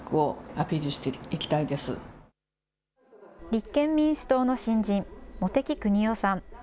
立憲民主党の新人、茂木邦夫さん。